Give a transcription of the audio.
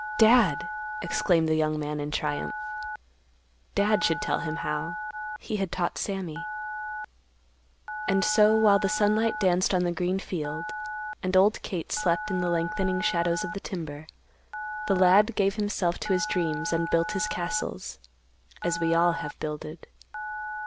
"Dad!" exclaimed the young man in triumph. Dad should tell him how. He had taught Sammy. And so while the sunlight danced on the green field, and old Kate slept in the lengthening shadows of the timber, the lad gave himself to his dreams and built his castles—as we all have builded.